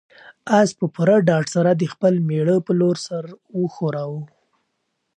آس په پوره ډاډ سره د خپل مېړه په لور سر وښوراوه.